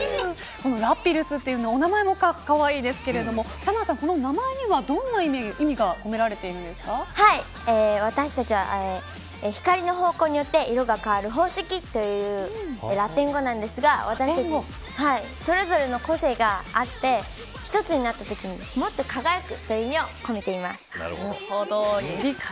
このＬａｐｉｌｌｕｓお名前もかわいいですけどシャナさん、この名前にはどんな意味が私たちは光の方向によって色が変わる宝石というラテン語なんですがそれぞれの個性があって一つになったときに、もっと輝くという意味を込めています。